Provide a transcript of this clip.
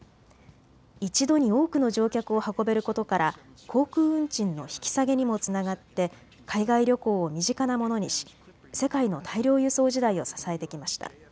１度に多くの乗客を運べることから航空運賃の引き下げにもつながって海外旅行を身近なものにし世界の大量輸送時代を支えてきました。